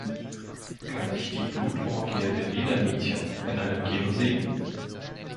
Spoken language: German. Kann ich die Blutorgie der Ledermädchen in einem Kino sehen?